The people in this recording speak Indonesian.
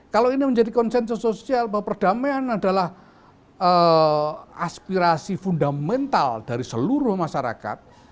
kalau ini menjadi konsensus sosial bahwa perdamaian adalah aspirasi fundamental dari seluruh masyarakat